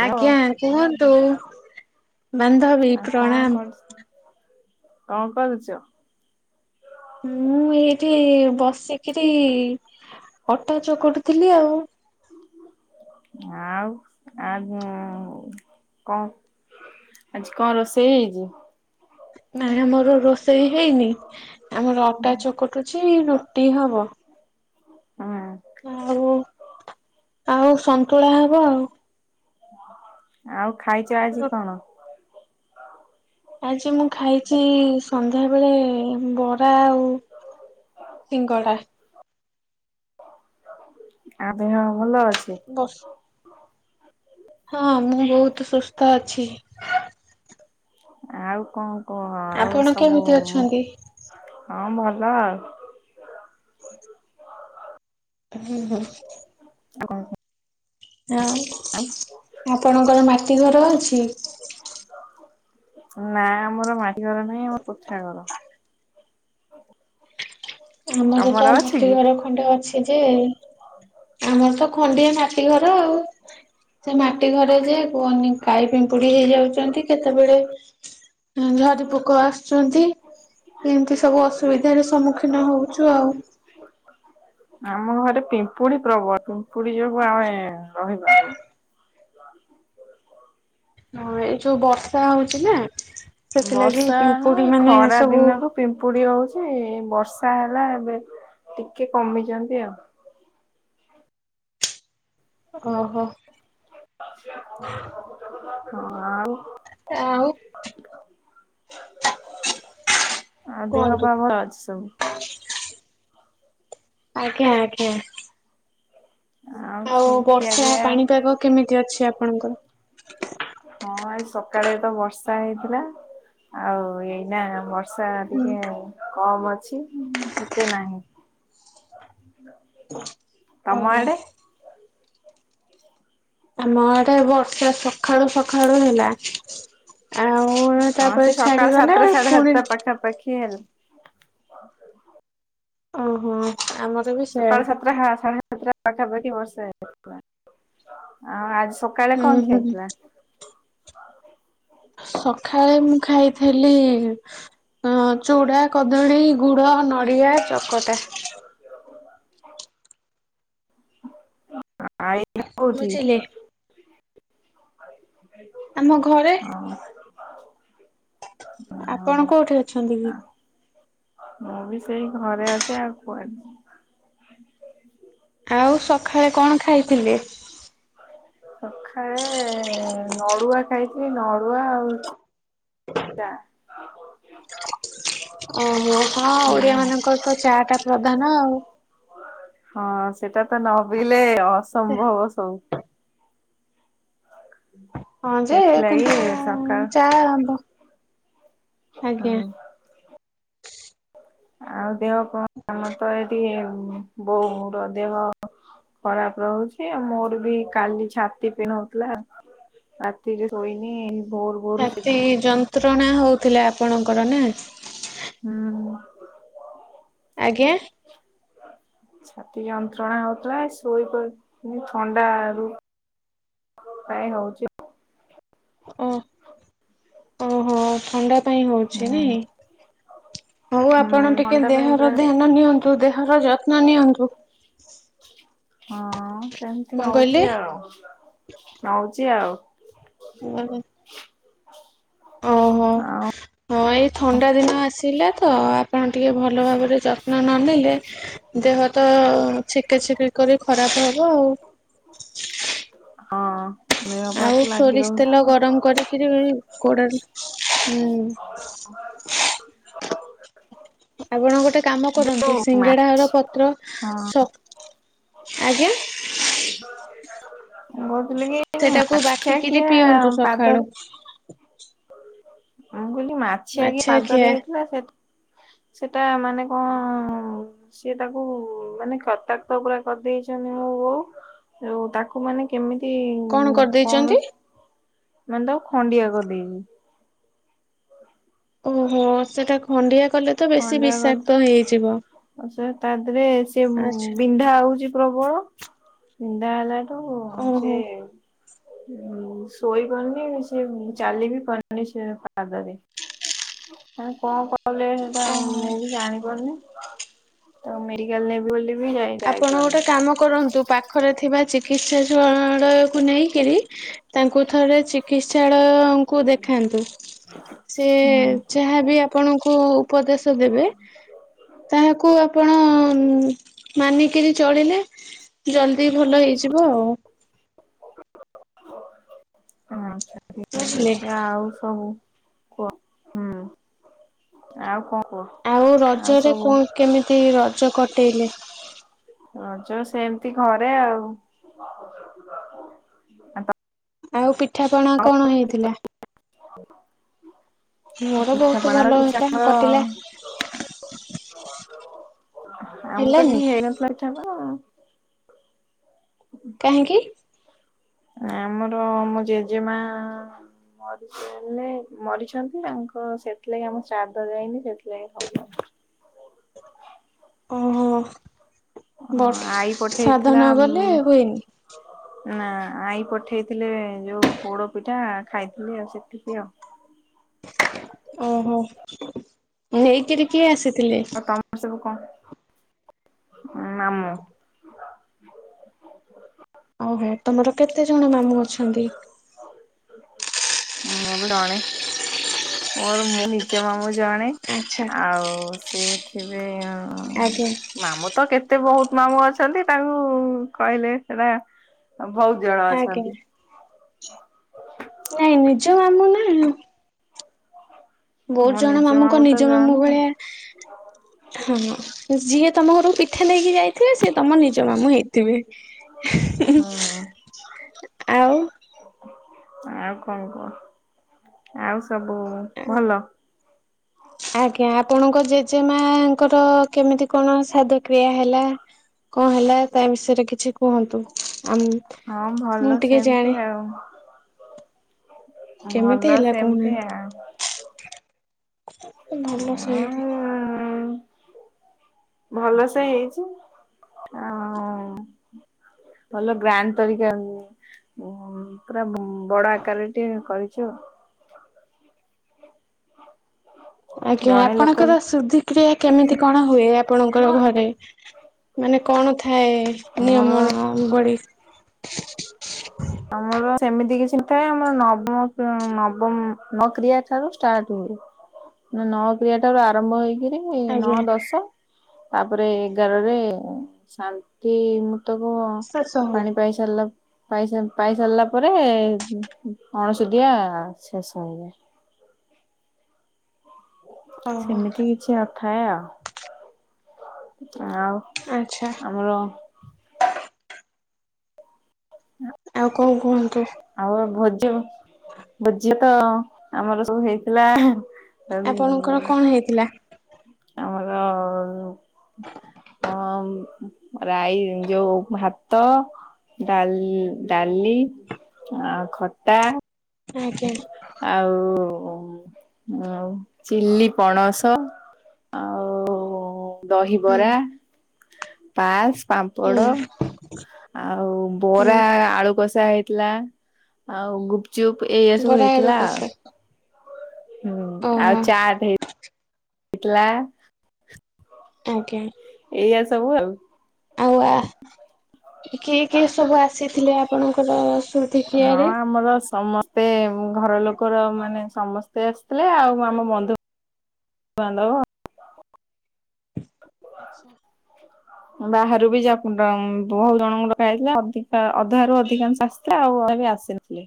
Hello କୁହନ୍ତୁ ବାନ୍ଧବୀ ଆଉ କଣ ପ୍ରଣାମ। କରୁ କଣ କରୁଛ? ମୁଁ ଏଇଠି ବସିକିରି ଅଟା ଚକଟୁଥିଲି ଆଉ। ଆଉ ଆଉ କ କଣ? ଆଜି କଣ ରୋଷେଇ ହେଇଛି? ନାଇଁ ଆମର ରୋଷେଇ ହେଇନି ଆମର ଅଟା ଚକଟୁଛି ରୁଟି ହବ। ହଁ। ଆଉ ଆଉ ସନ୍ତୁଳା ହବ ଆଉ। ଆଉ ଖାଇଛ ଆଜି କଣ? ଆଜି ମୁଁ ଖାଇଛି ସନ୍ଧ୍ୟାବେଳେ ବରା ଆଉ ସିଙ୍ଗଡ଼ା। ଆଉ ଦେହ ଭଲ ଅଛି? ବସ୍ ହଁ ମୁଁ ବହୁତ୍ ସୁସ୍ଥ ଅଛି। ଆଉ କଣ? କୁହ ଆଉ ଆପଣ ସବୁ କେମିତି ଅଛନ୍ତି? ହଁ ଭଲ ଆଉ, ହୁଁ-ହୁଁ, ଆଉ କଣ କ? ହଁ ଆପଣଙ୍କର ମାଟି ଘର ଅଛି? ନା ଆମର ମାଟି ଘର ନାହିଁ ଆମର କୋଠା ଘର। ଆମର ତମର ତ ଅଛି ମାଟି କି? ଘର ଖଣ୍ଡେ ଅଛି ଯେ, ଆମର ତ ଖଣ୍ଡିଆ ମାଟି ଘର ଆଉ, ସେ ମାଟି ଘରେ ଯେ କୁହନି କାଇଁ ପିମ୍ପୁଡି ହେଇ ଯାଉଛନ୍ତି କେତେବେଳେ, ହୁଁ ଝରି ପୋକ ଆସୁଛନ୍ତି ଏମିତି ସବୁ ଅସୁବିଧାରେ ସମ୍ମୁଖୀ ଆମ ଘରେ ପିମ୍ପୁଡି ପ୍ରବଳ, ପୁରୀ ଯିବାକୁ ଆମେ ରହିବା କୁ, ହଁ ଏଇ ଯୋଉ ବର୍ଷା ହଉଛି ନା ସେଥିଲାଗି ବର୍ଷା ନୁହଁ ପିମ୍ପୁଡି ଏଇ ମାନେ ଖରା ସବୁ, ଦିନରୁ ପିମ୍ପୁଡି ହଉଛି ବର୍ଷା ହେଲା ଏବେ ଟିକେ କମିଛନ୍ତି ଆଉ, ଓହୋ, ଅଁ ଆ, ଆଉ, ଆଉ ଦେହ କୁହନ୍ତୁ। ପା ଭଲ ଅଛି ସବୁ? ଆଜ୍ଞା-ଆଜ୍ଞା, ଆଉ ସବୁ ଖିଆ ବର୍ଷା ପିଆ ପାଣିପାଗ କେମିତି ଅଛି ଆପଣଙ୍କର? ହଁ ଏ ସକାଳେ ତ ବର୍ଷା ହେଇଥିଲା ଆଉ ଏଇନା ବର୍ ଷା ଟିକେ କମ୍ ଅଛି ଏତେ ନାହିଁ, ତମ ହଉ, ଆଡେ ଆମ ଆଡ଼େ ବର୍ଷା ସଖାଳୁ-ସଖାଳୁ ହେଲା, ଆଉ ହଁ ତାପରେ ସେ ସକାଳୁ ଛାଡିଗଲା ସାତଟା ସାଢ଼େ ପୁଣି ସାତଟା ପାଖାପାଖି ହେଲ୍ ଓହୋ ଆମର୍ ସକାଳୁ ସାତଟା ସାଢ଼େ ସାତଟା ପାଖାପାଖି ବର୍ଷା ହେଇଥିଲା ଆଉ ଆଜ୍ ସ କାଳେ ହୁଁ କଁ ହୁଁ ଖିଆଯାଇଥିଲା? ସକାଳେ ମୁଁ ଖାଇଥିଲି, ହୁଁ ଚୁଡ଼ା, କଦଳୀ, ଗୁଡ଼, ନଡ଼ିଆ, ଚକଟା, ଏଇନା କୋଉଠି? ବୁଝିଲେ। ଆମ ଘରେ ହଁ ଓହୋ ଆପଣ କୋଉଠି ଅଛନ୍ତି କି? ମୁଁ ସେଇ ଘରେ ଅଛି ଆଉ କୁଆଳେ, ଆଉ ସକାଳେ କଣ ଖାଇଥିଲେ।? ସକାଳେ ନଡ଼ୁଆ ଟାଇପି ନଡ଼ୁଆ ଟାଇପି ଆଉ ଛି ଜା, ଓହୋ ହଁ ଓଡିଆ ମାନଙ୍କର ତ ଚା ଟା ପ୍ରଧାନ ଆଉ, ହଁ ସେଇଟା ତ ନପିଇଲେ ଅସମ୍ଭବ ସବୁ, ହଁ ଯେ ସେଥିଲାଗି କିନ୍ତୁ ମୁଁ ସକାଳ ଚା ପ ଆଜ୍ଞା, ହୁଁ ଆଉ ଦେହ କଣ ଆମର ତ ଏଠି ବହୁର ଦେହ, ଖରାପ୍ ରହୁଛି ଆଉ ମୋର ବି କାଲି ଛାତି ପେନ୍ ହଉଥିଲା, ରାତି ରେ ଶୋଇନି, ଭୋରୁ ଭୋରୁ ଛାତି ଶୋଇଥିଲି ଯନ୍ତ୍ରଣା ହଉଥିଲା ଆପଣଙ୍କର ନା? ହୁଁ, ଆଜ୍ଞା? [inaudible] ଛାତି ଯନ୍ତ୍ରଣା ହଉଥିଲା ଶୋଇ ପଡ଼ିଥିନି ଥଣ୍ଡା ରୁ କାଇଁ ହଉଛି ଓ ଓହୋ ଥଣ୍ଡା ପାଇଁ ହୁଁ ହଉଛି ନାଇଁ। ହଉ ଆପଣ ହୁଁ ଟିକେ ଥଣ୍ଡା ପାଇଁ ଦେହର ପୁରା ଧ୍ୟାନ ନିଅନ୍ତୁ ଦେହର ଯତ୍ନ ନିଅନ୍ତୁ। ହଁ ସେମିତି କଣ କହିଲେ? ନଉଛି ଆଉ ନଉଛି ଆଉ। ହୁଁ ଆଉ ହଁ ଏଇ ଥଣ୍ଡା ଦିନ ଆସିଲା ତ ଆପଣ ଟିକେ ଭଲ ଭାବରେ ଯତ୍ନ ନ ନେଲେ। ଦେହ ତ ଛିକେ ଛିକେ କରି ଖରାପ ହବ ଆଉ। ହଁ ଦେହ ପା ଆଉ ତ ଲାଗି ସୋରିଷ୍ ରହୁଛି ତେଲ ଆଉ ଗରମ କରିକିରି। ଗୋଡ଼ରେ ହୁଁ ଆପଣ ଗୋଟେ କାମ କରନ୍ତୁ ଯୋଉ ସିଙ୍ଗେଡା ମାଛ ହର ପତ୍ର ହଁ ଆଜ୍ଞା। ମୁଁ କହୁଥିଲି କି ସେଟାକୁ ମାଛିଆ ବାଟିକିରି ଖିଆ ପିଅନ୍ତୁ ସକାଳୁ ପାଦର ମୁଁ କହିଲି ମାଛିଆ କି ପାଦରେ ହେଇଥିଲା ସେଠା ସେଟା ମାନେ କଣ ସିଏ ତାକୁ ମାନେ କ୍ରତାକ୍ତ ପୁରା କରିଦେଇଛନ୍ତି ମୋ ବୋଉ ଆଉ ତାକୁ। ତାକୁ ମାନେ କେମିତି କଣ କଣ କରିଦେଇଛନ୍ତି? ମାନେ ତାକୁ ଖଣ୍ଡିଆ କରିଦେଇଛି। ଓହୋ ସେଟା ଖଣ୍ଡିଆ କଲେ ତ ବେଶୀ ଖଣ୍ଡିଆ ବିଷାକ୍ତ ହେଇଯିବ। କରିଦେଲି ସେ ତା ଦିରେ ସେ ଆଚ୍ଛା ବିନ୍ଧା ହେଉଛି। ପ୍ରବଳ ବିନ୍ଧା ହେଲାଠୁ ସେ ଓହୋ। ଶୋଇ ପାରୁନି କି ଚାଲିପାରୁନି ସେ ପାଦରେ, ଆ କଣ କଲେ? ତା ଓହୋ। ମୁଁ ବି ଜାଣିପାରୁନି ତାକୁ ମେଡ଼ିକାଲ ନେବି ବୋଲି ବି ଯାଇ ଆପଣ ଗୋଟେ ଯାଇପାରୁନି କାମ କରନ୍ତୁ ପାଖରେ ଥିବା ଚିକିତ୍ସାଳୟକୁ ନେଇକିରି ତାଙ୍କୁ ଥରେ ଚିକିତ୍ସାଳୟ କୁ ଦେଖାନ୍ତୁ ସେ ହୁଁ ଯାହାବି ଆପଣଙ୍କୁ ଉପଦେଶ ଦେବେ ତାହାକୁ ଆପଣ ମାନିକିରି ଚଳିଲେ ଜଲଦି ଭଲ ହେଇଯିବ ଆଉ ଆଚ୍ଛା ଠିକ୍ ବୁଝିଲେ। ଅଛି ଆଉ ସବୁ। କୁହ ହୁଁ ଆଉ କଣ କୁହ। ଆଉ ରଜରେ କଣ କେମିତି ରଜ କଟେଇଲେ। ରଜ ସେମିତି ଘରେ ଆଉ, ପ [unintelligible] [inaudible] [inaudible] ଆଉ ପିଠାପଣା କଣ ହେଇଥିଲା। ମୋର ବହୁତ ପିଠାପଣା ଭଲ କିଛି ହେଲା ଆମର କଟିଲା ଆମ ତ ହେଲାନି କିଛି ହେଇନଥିଲା ପିଠା ପଣା କାହିଁକି? ଆମର ଆମ ଜେଜେମା ମରିଥିଲେ, ମରିଯାଇଛନ୍ତି ତାଙ୍କ ସେଥିଲାଗି ଆମ ଶ୍ରାଦ୍ଧ ଯାଇନି ସେଥିଲାଗି ହବନି। ଓହୋ ବର୍ଷ ଆଈ ଶ୍ରାଦ୍ଧ ପଠେଇଥିଲା ନଗଲେ ହୁଏନି। ନା ଆଈ ପଠେଇଥିଲେ ଯୋଉ ପୋଡ ପିଠା ଖାଇଥିଲି ଆଉ ସେତିକି ଆଉ। ହ [unintelligible] ଓହୋ ନେଇକିରି କିଏ ଆସିଥିଲେ। ତମର ସବୁ କଣ ମାମୁଁ ଓହୋ ତମର କେତେ ଜଣ ମାମୁଁ ଅଛନ୍ତି? ଆମର ଜଣେ ଆଉ ମୁଁ ନିଜ ନିଜ ମାମୁଁ ଜଣେ ଆଚ୍ଛା ଆଉ ସେ ଥିବେ ଆଜ୍ଞା। ମାମୁଁ ତ କେତେ ବହୁତ ମାମୁଁ ଅଛନ୍ତି ତାଙ୍କୁ କହିଲେ ସେଟା ବହୁତ ଜଣ ଆଜ୍ଞା। ଅଛନ୍ତି। ନାଇଁ ନିଜ ମାମୁ ନା। ବହୁତ ମୋ ଜଣ ନିଜ ମାମୁଁଙ୍କ ମାମୁଁ ତ ନିଜ ମାମୁ ଜଣେ ଭଳିଆ ହଁ ହଁ ସିଏ ତମ ଘରକୁ [unintelligible] ମିଠା ନେଇକି ଯାଇଥିବେ ଯେ ସେ ତୁମ ନିଜ ମାମୁଁ ହେଇଥିବେ। ହୁଁ ଆଉ ଆଉ କଣ କୁହ ଆଉ ସବୁ ଭଲ। ଆଜ୍ଞା ଆପଣଙ୍କ ଜେଜେମାଙ୍କର କେମିତି କଣ ଶାଦ୍ଧକ୍ରିୟା ହେଲା। କଣ ହେଲା ତା ବିଷୟରେ କିଛି କୁହନ୍ତୁ ଆମକ ହଁ ଭଲ ସେମତି ଆଉ। କେମିତି ଭଲ ହେଲା ସେମତି କହୁନାହାନ୍ତି ଆଉ। ଭଲ ସେମିତି ଉଁ ଭଲସେ ହେଇଛି ଆଉ। ଭଲ ଗ୍ରାଣ୍ଡ ତରିକା ରେ ପୁରା ଉଁ ବଡ଼ ଆକାରରେ ଟିକେ କରିଛୁ। ଆଜ୍ଞା ଜଣେ ଲୋକ ଆପଣଙ୍କର ଶୁଦ୍ଧିକ୍ରିୟା କେମିତି କଣ ହୁଏ ଆପଣଙ୍କର ଘରେ ମାନେ କଣ ଥାଏ ଆମର ନିୟମ ଭଳି ଆମର ସେମିତି କିଛି ଥାଏ ଆମର ନବମ ନବମ ନ କିୟା ଠାରୁ ଷ୍ଟାର୍ଟ ହୁଏ। ନଅକ୍ରିୟା ଟା ରୁ ଆରମ୍ଭ ହେଇକିରି [unintelligible] ଆଜ୍ଞା। ନଅ ଦଶ ତାପରେ ଏଗାରରେ ଶାନ୍ତି ମୂତ ଭତକୁ ଶେଷ ହଉ ପାଣି ପାଇସାରିଲା ପାଇସାର ପାଇସାରିଲା ପରେ ଅଣସଟିଆ ଶେଷ ହେଇଯାଏ। ଓହୋ ସେମିତି କିଛି ନଥାଏ ଆଉ ଆଉ। ଆଚ୍ଛା ଆମର ହଁ। ଆଉ କଣ କୁହନ୍ତୁ। ଆଉ ଭୋଜ ଭୋଜି ତ ଆମର ସବୁ ହେଇଥିଲା। ଆପଣଙ୍କର କଣ ହେଇଥିଲା? ଆମର ଅ ରାଇ ଯୋଉ ଭାତ ଡାଲ ଡାଲି ଆ ଖଟା ଆଜ୍ଞା। ଆଉ ଆ ଚିଲି ପଣସ ଆଉ। ହୁଁ। ଦହିବରା ପାସ ପାମ୍ ପଡ ହୁଁ ଆଉ ବରା ହୁଁ ଆଳୁ କସ ସା ହେଇଥିଲା ଆଉ ଗୁ୍ ଚୁପ୍ ଏ। ଗଡ଼ାଇରୁ କସ। ହୁଁ ଆଉ ଚାଟ୍ ହେଇ ଥିଲା। ଆଜ୍ଞା। ଏଇଆା ସବୁ ଆଉ। ଆଉ ଆ କିଏ କିଏ ସବୁ ଆସିଥିଲେ ଆପଣଙ୍କର ହଁ ସୁଧିକିଆରେ? ଆମର ସମସ୍ତେ ଘର ଲୋକର ମାନେ ସମସ୍ତେ। ତ ଆସିଥିଲେ ଆଉ ଆମ ବନ୍ଧୁ ବାନ୍ଧବ। ଆଛା। ହ ବାହାରୁ ବି ଯା ବହୁତ ଜଣଙ୍କ ଲୋକ ହେଇଥିଲା ଅଧିକା ଅଧାରୁୁ ଅଧିକାଂ। ଆଉ ଅ ଆସିଥିଲେ।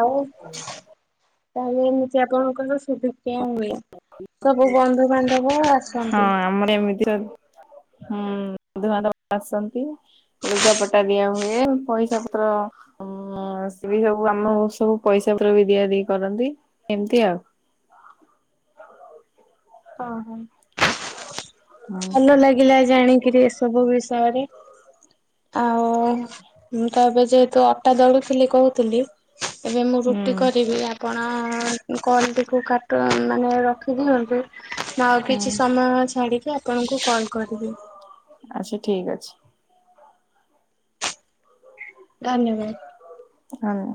ଆଉ ତାହେଲେ ଏମିତି ଆପଣଙ୍କର ସବୁ। କେଁ ସବୁ ବନ୍ଧୁବାନ୍ଧବ ହଁ ଆସନ୍ତି। ଆମର ଏମିତି। ହୁଁ ବନ୍ଧୁ ବାନ୍ଧବ ଆସନ୍ତି। ଲୁଗାପଟା ଦିଆ ହୁଏ ପଇସା ପତ୍ର ଉ ହଁ ସ ବି ସବୁ ଆମ ସବୁ ପଇସା ପତ୍ର ବି ଦିଆ ଦି କରନ୍ତି ଏମିତି ଆଉ। ହଁ ହଁ। ହଁ ଭଲ ଲାଗିଲା ଜାଣିକିରି ଏସବୁ ବିଷୟରେ। ଆଉ ମୁଁ ତ ଏବେ ଯେହେତୁ ଅଟା ଦଳୁଥିଲି କହୁଥିଲି। ଏବେ ମୁଁ ହୁଁ ରୁଟି କରିବି ଆପଣ କଲ୍ ଟିକୁ କାଟି ମାନେ ରଖିଦିଅନ୍ତୁ ମୁ ଆଉ ହୁଁ କିଛି ସମୟ ଛାଡ଼ିକି ଆପଣଙ୍କୁ କଲ୍ କରିବି। ଆଛା ଠିକ ଅଛି। ଧନ୍ୟବାଦ। ହଁ